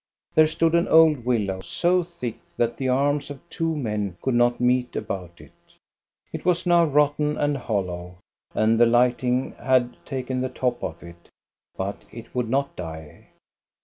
There stood an old willow, so thick that the arms of two men could not meet about it. It was now rotten and hollow, and the lightning had taken the top off it, but it would not die.